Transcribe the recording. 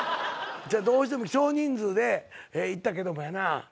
どうしても少人数で行ったけどもやな。